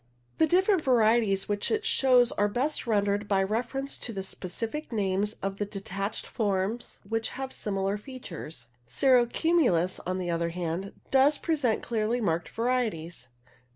The different varieties which it shows are best rendered by reference to the specific names of the detached forms which have similar features. Cirro cumulus, on the other hand, does present clearly marked varieties.